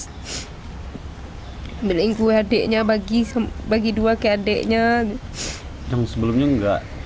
hai milik gue adeknya bagi bagi dua kayak adeknya yang sebelumnya enggak